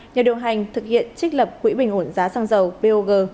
nhà điều hành thực hiện trích lập quỹ bình ổn giá xăng dầu pog